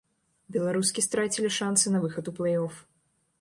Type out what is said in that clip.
Беларускі страцілі шанцы на выхад у плэй-оф.